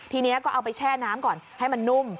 ทีนี้ก็เอาไปแช่น้ำก่อนให้มันนุ่ม